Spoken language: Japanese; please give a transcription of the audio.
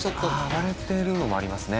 割れてるのもありますね